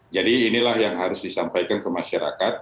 jadi inilah yang harus disampaikan ke masyarakat